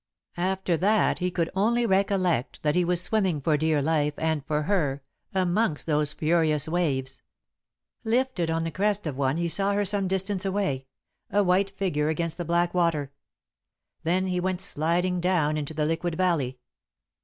After that he could only recollect that he was swimming for dear life and for her, amongst those furious waves. Lifted on the crest of one he saw her some distance away a white figure against the black water. Then he went sliding down into the liquid valley.